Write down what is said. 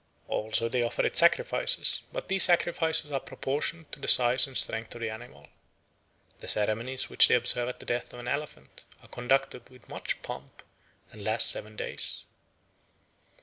Also they offer it sacrifices, but these sacrifices are proportioned to the size and strength of the animal. The ceremonies which they observe at the death of an elephant are conducted with much pomp and last seven days.